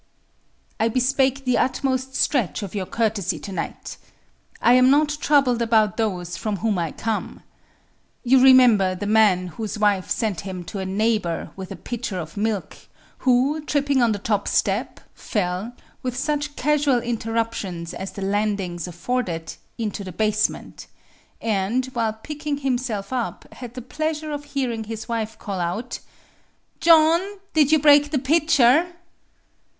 I bespeak the utmost stretch of your courtesy tonight. I am not troubled about those from whom I come. You remember the man whose wife sent him to a neighbor with a pitcher of milk, who, tripping on the top step, fell, with such casual interruptions as the landings afforded, into the basement, and, while picking himself up, had the pleasure of hearing his wife call out: "John, did you break the pitcher?